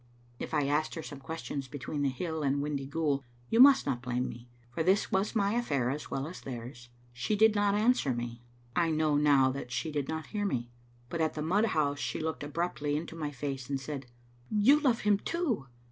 If I asked her some questions between the hill and Windyghoul you must n^^t blame me, for this was my affair as well as theirs. She did not answer me ; I know now that she did not hear me. But at the mud house she looked abruptly into my face, and said — "You love him, too!"